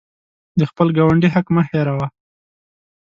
د خپل ګاونډي حق مه هیروه.